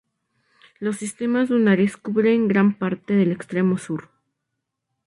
Los sistemas dunares cubren gran parte del extremo sur.